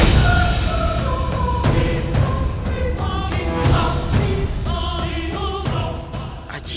kau cia apa apai